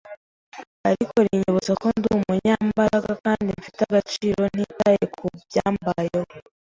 ariko rinyibutsa ko ndim umunyambaraga kandi mfite agaciro ntitaye ku byambayeho